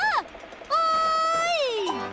おい！